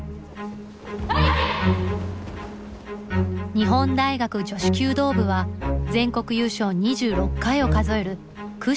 日本大学女子弓道部は全国優勝２６回を数える屈指の名門です。